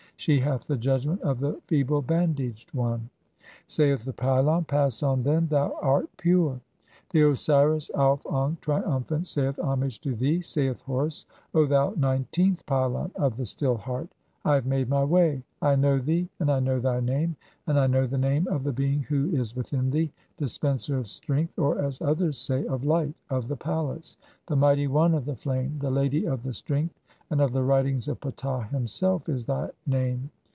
She hath the judgment of the feeble bandaged one." [Saith the pylon: —] "Pass on, then, thou art pure." XIX. (65) The Osiris Auf ankh, triumphant, saith :— "Homage to thee, saith Horus, O thou nineteenth pylon of THE CHAPTER OF THE PYLONS. 25 1 "the Still Heart. I have made [my] way. I know thee, and I "know thy name, and I know (66) the name of the being who "is within thee. 'Dispenser of strength, or as others say, of light, "of the palace (?), the mighty one of the flame, the lady of the "strength and of the writings of Ptah himself, is thy name.